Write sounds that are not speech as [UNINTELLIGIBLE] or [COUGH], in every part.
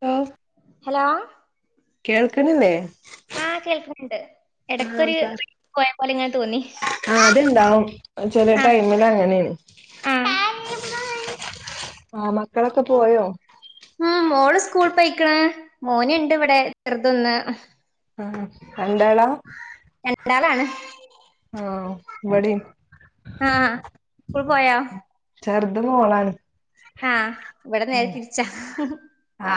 ആ ഹലോ കേൾക്ക്ണില്ലേ ആ കേൾക്കുണ്ട് എടക്കൊരു. ക്ക് ഒരെ പോലെ ഇങ്ങനെ തോന്നി ആഹ് അത്ണ്ടാവും ചെല ആ ടൈമില് അങ്ങനെയാണ് ആഹ് ആഹ് മക്കളൊക്കെ പോയോ ഉം മോൾ സ്കൂൾ പോയിക്ക്ണ് മോനുണ്ട് ഇവിടെ ചെറുതെന്ന്. ആ രണ്ടാളാ രണ്ടാളാണ് ആ ഇവടീം ആഹ് സ്കൂൾ പോയോ ചെറ്ത് മോളാണ് ആഹ് ഇവിടെ നേരെ ഉം തിരിച്ചാ ആ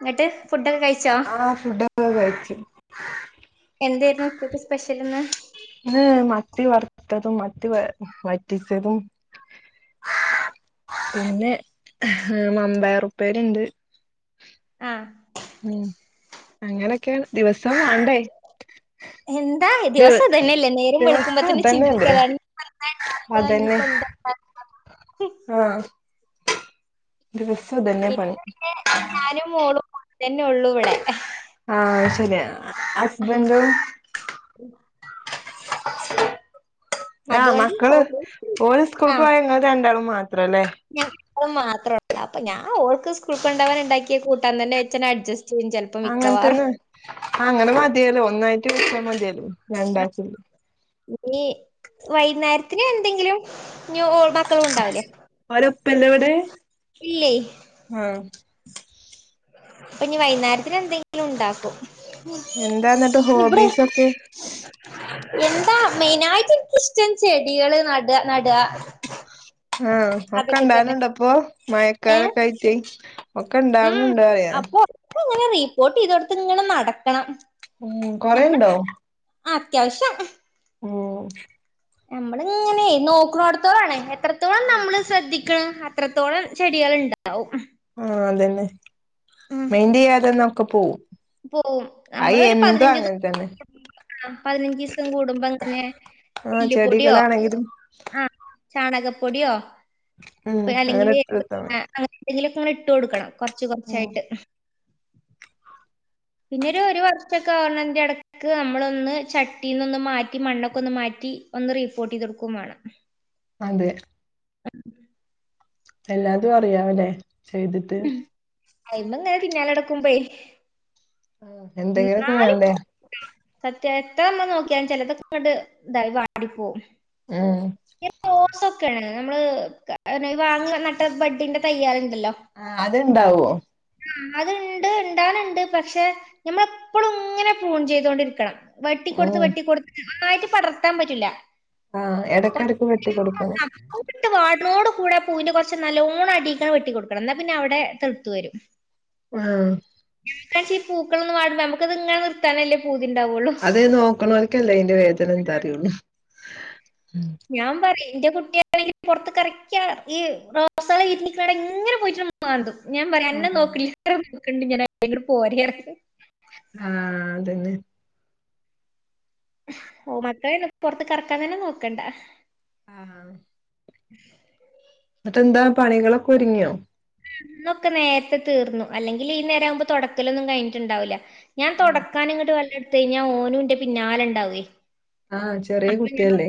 എന്നിട്ട് ഫുഡൊക്കെ കഴിച്ചോ ആ ഫുഡൊക്കെ കഴിച്ചു എന്തിര് ഇന്നത്തെ സ്പെഷ്യൽ എന്ന്. ഇന്ന് മത്തി വറുത്തതും മത്തി വ വറ്റിച്ചതും. പിന്നെ വൻപയർ ഉപ്പേരി ഉണ്ട്. ആ ഉം അങ്ങനൊക്കേണ് ദിവസം വാണ്ടേ. എന്താ ദിവസം അത് തന്നെയല്ലേ നേരം ദിവസം വെളുക്കുമ്പത്തേന് ചിന്തിക്ക അതന്നെല്ലേ അതാണ്. എന്താണ്ടാക്കാ ഇനിപ്പന്താണ്ടാക്കാ. ആ [UNINTELLIGIBLE] പണി പിന്നന്നെ ഞാനും മോളും [INAUDIBLE] ഒള്ളു ഇവിടെ ആ ശരി ആഹ് ഹസ്ബൻഡും യാ അതുകൊണ്ട് മക്കള് ഹോബീസ് ഓല് സ്കൂൾക്ക് പോയ ങ്ങള് രണ്ടാളും. മാ ഞങ്ങ ൾമാത്രള്ളൂ പ്പൊ ഞാൻ ഓൾക്ക് സ്കൂൾകൊണ്ടവാനണ്ടാക്കിയ കൂട്ടാൻ തന്നെ വെച്ചന്നെ അഡ്ജ ചൈചൽപ്പമിക്കവാറു അങ്ങൻത്തന്നെ അങ്ങനെ മതിയലോ ഒന്നായിട്ട് വച്ചാ മതിയലോ രണ്ടാച്ചല് ഞി വൈക്ന്നേരത്തിന് എന്തെങ്കിലും ന്യൂ ക്കളും ഉണ്ടാവുലേ ഓരപ്പല്ലേ ഇവിടെ ഇല്ലേ? ആഹ് പ്പഞ് വൈക്ന്നേരത്തിനെന്തെങ്കിലും ണ്ടാക്കും. എന്താന്ന്ട്ട് ഹോബീസൊക്കെ? എന്താ മെയിനായിട്ട് എനിക്കിഷ്ടം ചെടികള് നട്ക നട്ക ആ ഒക്കെണ്ടാവല്ണ്ടപ്പൊ ഏ മയക്കാലൊക്കെ ആയിറ്റ് ഒക്കെ ഇണ്ടാവ്ന്ന്ണ്ട്റ്യാ ഇതോട്ത്ത്ങ്ങനെ നടക്കണം ഉം കൊറേണ്ടോ അ അത്യാവശ്യം ഉം നമ്മൾ ഇങ്ങനെ നോക്കുന്നോടത്തോളാണ് എത്രത്തോളം ആഹ് നമ്മള് ശ്രദ്ധി ക്കണോ അത്രത്തോളം ചെടികലുണ്ട ആ അതന്നെ ഉം മയിന്റ് ചെയ്യാതിര്ന്നാ ഒക്കെ പോവും പോവും അയെന്തും അങ്ങൻതന്നെ ആ പതിനഞ്ചീസം കൂടുമ്പങ്ങനെ ആഹ് എല്ല്പ്പൊടിയോ ചെടികളാണെങ്കിലും ആ ചാണകപ്പൊടിയോ ഉം അങ്ങനെ അല്ലെങ്കില് എടുത്തെടുത്താ മതി എന്തെങ്കിലൊക്കെങ്ങനെ ഇട്ട് കൊട്ക്കണം കൊർച്ച് ഉം കൊർച്ചായ്ട്ട് പിന്നെര് ഒര് വർഷാെക്കെ ആവ്ണെന്റെടക്ക് അമ്മളൊന്ന് ചട്ടീന്നൊന്ന് മാറ്റി മണ്ണൊക്കെ ഒന്ന് മാ റ്റി ഒന്ന് റിപ്പോർട്ടെയ്ത് കൊടുക്കും മാണം അതെ [INAUDIBLE] എല്ലാതും അറിയാമല്ലേ ചെയ്തിട്ട് അയ്മങ്ങനെ പിന്നാലടക്കുമ്പേ ആ എന്തെങ്കിലൊക്കെ വേണ്ടേ സത്യായിട്ട് നമ്മ നോക്കിയാലും ചെലതൊക്കെങ്ങട്ട് ഇതായി വാടിപ്പോവും ഉം ചെ മ്മള് വാങ്ങ നട്ട ബഡിന്റെ തയ്യാൾ ആ അത്ണ്ടാവോ അത്ണ്ട് ണ്ടാല്ണ്ട് പക്ഷെ ഞമ്മളെപ്പളുങ്ങനെ ഫൂൺ ചെയ്തോണ്ടിരിക്കണം വെട്ടി കൊടുത്ത് ഉം വെട്ടിക്കൊടുത്ത് നന്നായിട്ട് പടർത്താൻ പറ്റൂല്ല ആഹ് എടക്കെടക്ക് വെട്ടി കൊടുക്കണം [UNINTELLIGIBLE] പൂവിട്ട് വാ തോട് കൂടെ പൂവിന്റെ കൊർച്ച് നല്ലോണം അടിക്കാണ്ട് വെട്ടി കൊട്ക്കണം ന്നാ പിന്നെ അവ്ടെ തെൾത്ത് വെരും ആ പ്രാശ്യം ഈ പൂക്കളൊന്ന് വാടുമ്പ നമുക്ക്ത്ങ്ങനെ നിർത്താനല്ലേ പൂ അതെ നോക്ക്ണോര്ക്കല്ലേ അയ്ന്റെ വേദനന്താറിയൊള്ളു ഞാൻ പറ്യേ ന്റെ കുട്ടിയണേല് പൊരത്ത് എർക്ക്യാ ഈ റോസാള് വിര്ഞ്ഞ്ക്ക്ണണ്ട ഇങ്ങനെ പോയിട്ടാണ്ട് മാന്തും ഞാൻ പറയാ അന്നെ ആഹ് നോക്ക്ണ്ലേറെ നോക്ക്ണ്ട് [UNINTELLIGIBLE] പോര്ർ ഞ്ഞു ആ അതന്നെ ഓ മക്കളെന്നും പൊർത്ത്ക്കെറക്കാൻ തന്നെ നോക്കണ്ട ആ ന്ന്ട്ട്ന്താ പണികളൊക്കെ ഒര്ങ്ങ്യാേ ഇന്നൊക്കെ നേർത്തെ തീർന്നു അല്ലെങ്കില് ഈ നേരാവുമ്പോ തൊടക്കലൊന്നും കയ്ഞ്ഞ്ട്ട്ണ്ടാവൂല്ല ഞാൻ തൊടക്കാന്ങ്ങട്ട് വള്ളട്ത്ത് കയ്ഞ്ഞാ ഓനുന്റെ പിന്നാലെണ്ടാവ്വേ ആഹ് [INAUDIBLE] ചെറിയ കുട്ടിയല്ലേ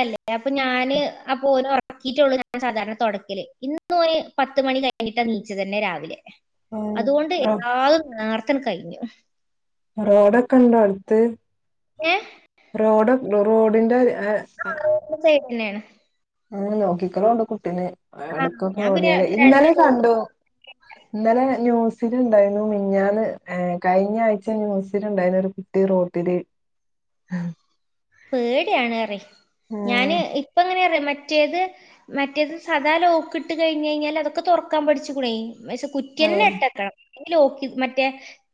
എ അപ്പൊ ഞാന് അപ്പം ഓനെ ഒർക്കീട്ടാെള്ളു ഞാൻ സാധാരണ തൊടക്കല് ഇന്ന് ഓറ് പത്ത്മണി കഴിഞ്ഞിട്ട് നീച്ചതന്നെ രാവിലെ അതുകൊണ്ട് റോ എല്ലാതും നേർത്തേണ്ട് കയ്ഞ്ഞു റോഡൊക്കെ ഉണ്ടോ അടുത്ത് റോഡ റോഡിന്റെ അ അ എന്നേണ് അങ്ങനെ നോക്കിക്കളോണ്ടു കുട്ടിനെ ആ അടക്ക ഞാൻ പിന്നെ ഓടിയാലെ രണ്ട് ഇന്നലെ ഡോസ് കണ്ടു ഇന്നലെ ന്യൂസ് സ്സില്ണ്ടായ്ന്നു മിഞ്ഞാന്ന് ഏ കയ്ഞ്ഞ ആഴ്ച ന്യുസ്സില്ണ്ടായ്ര്ന്നു ഒരു കുട്ടി റോട്ടില് ആ പേടിയാണ് അറി ഉം ഞാന് ഇപ്പങ്ങനെ മറ്റ് റ്റേത് മറ്റേത് സദാ ലോക്ക്ട്ട് കഴിഞ്ഞഴിഞ്ഞാൽ അതൊക്കെ തൊറക്കാൻ പഠിച്ചുക്ണെയ് ഷെ കുറ്റിന്നെ ആഹ് ഇട്ടക്കണം ല്ലെ ലോക്ക് മറ്റേ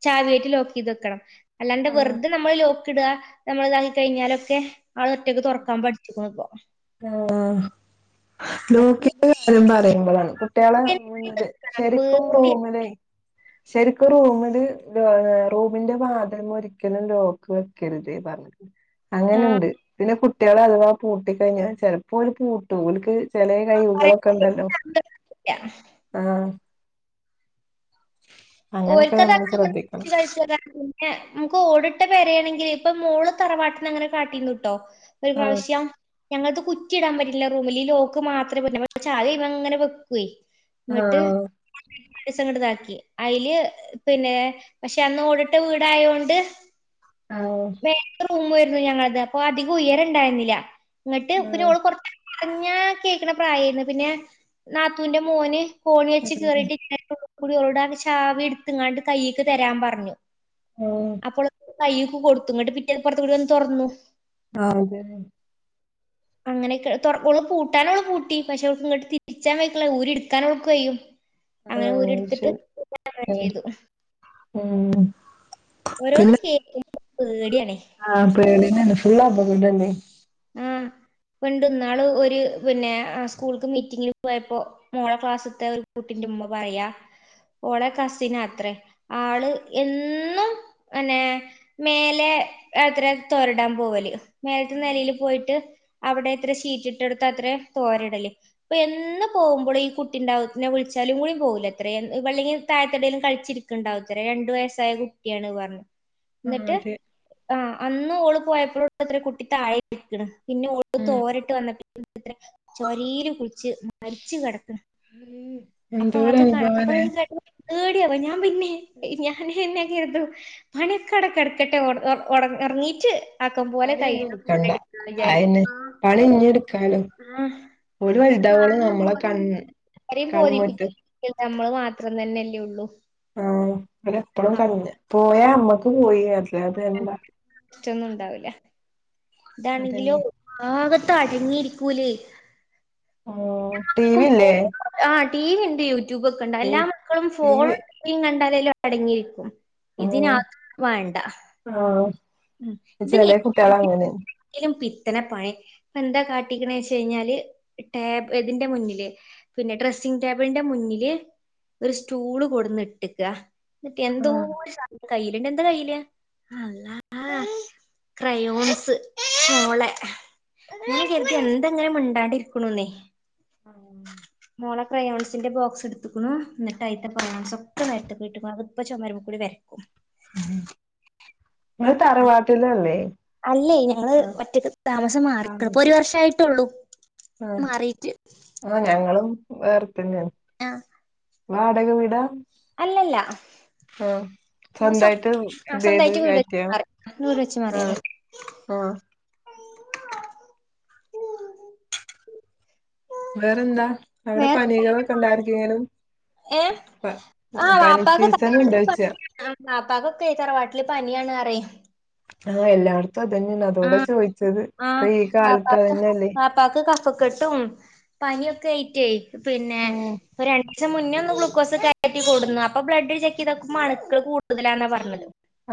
ചാവിയേറ്റ് ലോകൈത് വെക്കണം അല്ലാണ്ട് വെറുതെ നമ്മള് ലോക്ക്ട നമ്മൾതായി കയ്ഞ്ഞാലൊക്കെ അത് ഒറ്റക്ക് തൊറക്കാൻ പഠിച്ചുക്കുണുപ്പൊ ആ നോക്കീട്ട് കാര്യം പറയുമ്പോളാണ് കുട്ടൃളെ കുറ്റി തന്നെ ഇട്ട് മുന്നില് വെക്കണം. ശരിക്കും പേടിയാ റൂമിലൈ ശരിക്കും റൂമില് ടോ റൂമിന്റെ വാതിൽമൊരിക്കലും ലോക്ക് വെക്കരുത് വ ആ അങ്ങനെയണ്ട് പിന്നെ കുട്ടൃളഥവാ പൂട്ടിക്കഴിഞ്ഞ ചെലപ്പോല് പൂട്ടുഓൽക്ക് ചെലേ പറയാൻ കൈവുകളൊക്കെണ്ടല്ലോ പറ്റില്ല അതാണ് അങ്ങനൊക്കെ ഓൽക്ക നമ്മള് [UNINTELLIGIBLE] ശ്രദ്ധിക്കണം ജാരിച [UNINTELLIGIBLE] പിന്നെ മ്ക്ക് ഓടിട്ട പെരേണെങ്കി ല് പ്പമോള്പ്പതറവാട്ട്ന്നങ്ങനെ കാട്ടീന്ട്ടോ ആഹ് ഒരുപ്രാവിശ്യം ഞങ്ങൾത് കു കുറ്റിടാൻ പറ്റില്ല റൂമില് ലോക്ക് മാത്രപറ്റ്ണ പ ചാവിഐമങ്ങനെ വെക്കൊയ് ഇന്ന്ട്ട് ആഹ് [UNINTELLIGIBLE] സങ്ങട്താക്കി അയില് പിന്നെ പക്ഷെ അന്ന് ഓടിട്ട വീടായോണ്ട് ആഹ് വേറെ റൂമായിരുന്നു ഞങ്ങൾത് അപ്പൊ അധികം ഉയരണ്ടായിരുന്നില്ല ഇന്നട്ട് ആഹ് ഇപ്പരോള് പൊർ പറഞ്ഞാ കേക്ക്ണ പ്രായായിരുന്നു പിന്നെ നാത്തൂന്റെ മോന് കോണിച്ച് ആഹ് കേറീട്ട് [UNINTELLIGIBLE] ഓൾട് ചാവിടുത്ത്ങ്ങാട്ട് കൈയ്യിക്ക് തരാംപറ്ഞ്ഞു ആഹ് അപ്പോൾ കൈയ്യ്ക്ക് കൊടുത്തു ന്ന്ട്ട് പിറ്റേ പുറ്ത്തകുടെ വന്ന് തൊറ്ന്നു ആതെ അങ്ങനെയൊക്കെ തൊർ ഓള് പൂട്ടാനോള് പൂട്ടി പക്ഷെ ഓൾക്ക് ഇങ്ങട്ട് തിരിച്ചാൻവൈക്ക്ൺള ഊരിടുക്കാനോൾക്ക് കയ്യും ആഹ് അങ്ങനെഓര്ട്ത്തിട്ട് ശരി [UNINTELLIGIBLE] ഉം ചെയ്തു ഉം ഓരോന്ന് പിന്നെ കേക്കുമ്പോ പേടിയാണേ നെന്നെ ഫുള്ളാപകടല്ലേ അ പണ്ട്ന്നാള് ഒരു പിന്നെ സ്കൂൾക്ക് മീറ്റിങ്ങിൽ പോയപ്പോ മോളെ ക്ലാസ്ത്തെ ഒരു കുട്ടിന്റെ ഉമ്മ പറയാ ഓളെ കസിനാത്രേ ആള് എന്നും ന്നെ മേലെ എത്ര തൊരടാൻ പോവല് മേല്ത്തെ നെലീല് പോയിട്ട് അവിടെത്ര ഷീറ്റ് ഇട്ടെടുത്താത്ര തോരടല് പ്പന്നും പോകുമ്പൊള് ഈ കുട്ടി ണ്ടാവും വിളിച്ചാലും കൂടി പോകുലത്ര എൻ വള്ളില് താഴത്തിടലും കളിച്ചിരിക്ക്ണ്ടാവത്ര രണ്ടുവയസ്സായ കുട് ട്ടൃണ് പറഞ്ഞ് ആഹ് ന്നിട്ട് അതെ ആ അന്ന് ഓള് പോയപ്പോളുണ്ടത്ര കുട്ടി താഴെ ഇരിക്ക്ണ്. പിന്നെ ഓള് ഉം തോരട്ട് വന്നി [UNINTELLIGIBLE] ത്ര ചൊരീല് കുളിച്ച് മരിച്ച് കെടക്കണ് അഹ് അപ്പൊ അത് കേട്ടപ്പ [UNINTELLIGIBLE] പേടിആവ ഞാൻ പിന്നെ ഞാനെന്നെ [UNINTELLIGIBLE] പണിക്കടെക്കെ ടക്കട്ടെ ഒറ് ഒറ് ഒറ് ഒറങ്ങീറ്റ് ആക്കം പോലെ കഴിണപോലെട് ആഹന്നെ പണിഞ്ഞു ആ മ് വലുതാവോളം ആരെയും നമ്മളെ ബോധി കൺ [UNINTELLIGIBLE] ആരെയുംബോധിപ്പിക്ക കൺമുറ്റ് [UNINTELLIGIBLE] ണ്ട മ്മള് മാത്രം തന്നെല്ലേള്ളൂ ആ ഓലപ്പളും കണ്ണ് പോയ അമ്മക്ക് പോയി അ [UNINTELLIGIBLE] റ്റൊന്നുംണ്ടാവൂല ഇതാണെങ്കിലോ അതന്നെ ഒരു ഭാഗത്ത് അടങ്ങിരിക്കൂലെ. ആ ടീവില്ലേ ആ ടി വിണ്ട് യൂട്യൂബക്കെണ്ട് എല്ലാ മക്കളും ഫോണും ടിം വി കണ്ടാലേലും അടങ്ങിയിരിക്കും. ഉം ഇതിനതുംവേണ്ട ആഹ് ചെലെ കുട്ടികള് അങ്ങനെ [UNINTELLIGIBLE] പി തന പഴേ എന്താകാട്ടീക്ണ്‌ ചെല് ടേപ് തിന്റെ മുന്നില് പിന്നെ ഡ്രസ്സ് സി ടേബിളിന്റെ മുന്നില് ഒരു സ്റ്റൂള് കൊടുന്ന് ഇട്ടക്ക എന്തോ കയ്യിലണ്ട് എന്താ കയ്യില് ക്രയോൺസ് മോളെ ൻ ച എന്തെങ്ങനെ മണ്ടാണ്ട ഇരിക്കണന്നേ [UNINTELLIGIBLE] ഓള ക്രയോൺസിന്റെ ബോക്സ് എടുക്കുന്നു എന്നിട്ട് അത്തെ രയോൺസ് ഒക്കെ നേരത്ത് കട്ട് അത്പ്പം ചുമര കൂടി വരക്കും. ങ്ങ തറവാട്ടിലല്ലേ അല്ലേ ഞങ്ങള് ആഹ് മറ്റേ താമസം മാറിക്കണ്‌ ഇപ്പൊ ഒരു വർഷയിട്ടള്ളൂ. ആ ആ ഞങ്ങളും വേറെ തന്നെ ആഹ വാടക വീടാ അല്ലല്ല ആ ഞങ്ങള് സ്വ സ്വന്തമായിട്ട് ഇത് ആഹ് ചെയ്ത് സ്വന്തായിട്ട് വീട് വെച്ച് കറ്റിയ മാറി ആ ആ ഉ വേറെന്താ അവിടെ പനികളൊക്കെ ഉണ്ടായിരിക്കനും ഏ ആഹ് വാപ്പ സീസൺ ഉണ്ടോയ്ച്ചാ [UNINTELLIGIBLE] തറവാട്ടില് പനിയാണ്. [INAUDIBLE] ആ എല്ലാവ ഇപ്പ അതന്നെയാണ് ആ അതോടെ ചോദിച്ചത് ഇപ്പൊ ആഹ് ഈ കാലട്ടാ വാപ്പാക്ക് തന്നെയല്ലേ? വാപ്പാക്ക് കഫക്കെട്ടും പനിയൊക്കെ ആയിറ്റേ പിന്നെ രണ്ട പക്ഷെ മുന്നേ ഒന്ന് ഗലൂക്കോസ് കയറ്റിൂടുന്നു അപ്പൊ ബ്ലഡ് ചെക്ക് ചെയ്ത അണുക്കൾ കൂടുതലാന്നാ പറഞ്ഞത്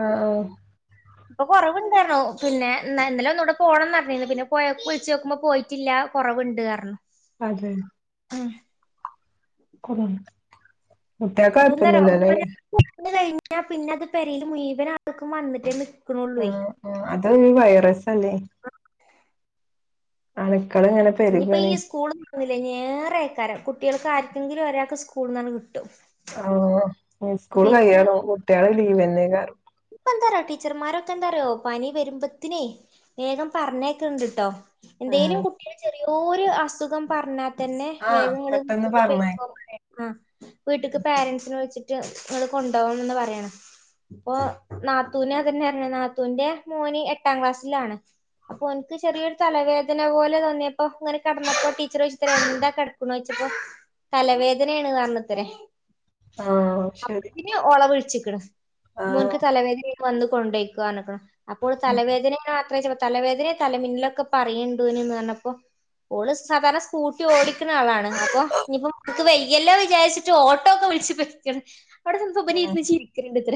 ആഹ് ഇപ്പൊ കൊറവുണ്ടാണോ പിന്നൊ എന്നാലും ഒന്നുകൂടെ പോണംന്ന് പറഞ്ഞിന്ന് പിന്നെ പോ വിളിച്ചു നോക്കുമ്പോ പോയിട്ടില്ല കുറവുണ്ട് കാരണം അതെ ആഹ് കൊ കുട്ട്യാക്കൊഴപ്പൊന്നില്ലല്ലല്ല ഞാൻ പിന്നെ അത് പെരേല് മുഴവന് ആൾക്കും വന്നിട്ട് ആ ആ അത് വൈറസ് അല്ലേ അന ഇനിയിപ്പോ ഈ സ്കൂൾന്ന് പറന്നുന്നില്ലേ നേറെ ആക്കാരം കുട്ടികൾക്ക് ആർക്കെങ്കിലും ഒരാൾക്ക് സ്കൂളിൽ നിന്നാണ് കിട്ടുന്നത് സ്കൂൾ പിന്നെ കയ്യണോ കുട്ടികള് ലീവ് എന്നെക്കാരം ഇപ്പ എന്താറോ ടീച്ചർമാരൊക്കെ എന്താറിയോ പനി വരുമ്പോത്തിനേ വേഗം പറഞ്ഞക്കെ ഇണ്ട്ട്ടോ എന്തേലും ഉം കുട്ടികൽ ചെറിയൊരു അസുഖം പറഞ്ഞാ തന്നെ ആഹ് വേഗങ്ങള് പെട്ടെന്ന് പറഞ്ഞയക്കും ആ വീട്ടക്ക് പാരൻറ്സിന് വെച്ചിട്ട അത് കൊണ്ടുപോകണംന്ന് പറയണം അപ്പൊ നാത്തൂനെ അതന്നെ നാത്തൂന്റെ മോനി എട്ടാം ക്ലാസ്സിലാണ് അപ്പൊ എനിക്ക് ചെറിയൊരു തലവേദന പോലെ തോന്നിയപ്പോ ഇങ്ങനെ കിടന്നപ്പോ ടീച്ചറോചത്രെ എന്താ കിടക്കണോെച്ച അപ്പൊ തലവേദനയാണ് കാരണത്തിന് ആഹ് ശരി വിളിച്ചിക്ക്ണ് ആഹ് മോൻക്ക് തലവേദന വന്ന കൊണ്ടേയ്ക്കോറഞ്ഞിക്കണ അപ്പോൾ ഉം തലവേദന അ തലവേദനെ തലമിന്നിലൊക്കെ പറയണ്ടുന്ന് പറഞ്ഞപ്പോ ഓള് സാധാരണ സ്കൂട്ടി ഓടിക്കുന്ന ആളാണ് അപ്പൊ ഇനിയിപ്പോക്ക് വയ്യല്ലോ വിചാരിച്ച് ഓട്ടോ ഒക്കെ അവിടെ ചെന്നപ്പം ചിരിക്കണ്ട് ഇത്ര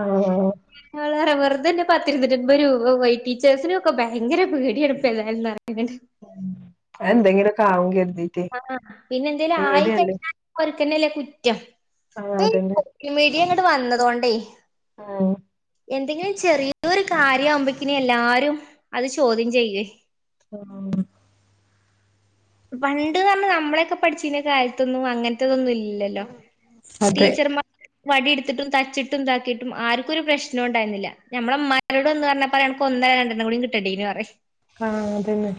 ആഹ് ങ്ങള് പറ വെറ്തെ ൻ്റെ പത്തിരുന്നൂറ്റിഅമ്പത് രൂപ പോയി ടീച്ചേഴസിനും ഒക്കെ ഭയങ്കര പേടിയാണ് ഏതാലും എന്തെങ്കിലും ഒക്കെ ആവും കര്തിട്ടെ ആഹ് പിന്നെ എന്തേലും ആയി കഴിഞ്ഞാ പോൽക്കന്നല്ലേ കുറ്റം ആഹ് അതന്നെ ഇ അങ്ങട്ട് വന്നതോണ്ടേ ആഹ് എന്തെങ്കിലും ചെറിയൊരു കാര്യ ആവുമ്പോക്കിന എല്ലാരും അത് ചോദ്യം ചെയ്യേ ആഹ് പണ്ട് പറഞ്ഞ നമ്മളൊക്കെ പഠിച്ച കാലത്തൊന്നും അങ്ങനത്തതൊന്നും ഇല്ലല്ലോ അതെ ടീച്ചർ മാ വടി എടുത്തിട്ടും തച്ചിട്ടും ഇതാക്കിയിട്ടും ആർക്കും ഒരു പ്രശ്നം ഉണ്ടരുന്നില്ല നമ്മളെ മ്മാരോടം എന്ന് പറഞ്ഞാ പറയാ ഒന്ന രണ്ടണ്ണം കൂടി കിട്ടണ്ടീനി പറയും ആഹ് അതന്നെ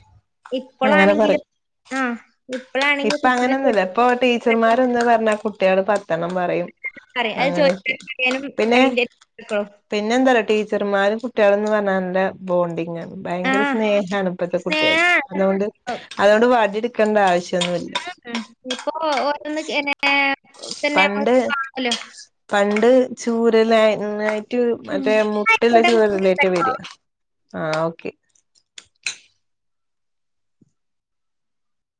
അങ്ങനെ ഇപ്പളാണെങ്കിലും പറയും ആഹ് ഇപ്പളാണെങ്കി ഇപ്പൊ കുട്ടിനെ അങ്ങനെൊന്നുലു തൊട്ട് ഇപ്പൊ ടീച്ചർമാർന്ന് പറഞ്ഞാ കുട്ടികട് പത്തെണ്ണം പറയും പറയും അത് അങ്ങന്നെ ചോദിക്കാൻ അറിയാനും പിന്നെ അയിന്റെ പിന്നെന്താ റ്യൊ ചെറുമാരും കുട്ടികളും എന്ന് പറഞ്ഞാന നല്ല ബോണ്ടിങ് ആണ് ഭയങ്കര ആഹ് സ്നേഹാണ് ഇപ്പത്തെ കുട്ടികൾ സ്നേഹാ അതുകൊണ്ട് അതുകൊണ്ട് വടിടുക്കേണ്ട ആവശ്യം ആ ഇപ്പോ ഓരോന്ന് പിന്നെ കാണല്ലോ ചൂരല്ലായിട്ട് ഉം മറ്റേ മുട്ടല്ല ചൂരല്ലായിട്ട് ആയിക്കോട്ടെ വരി ആഹ് ഓക്കെ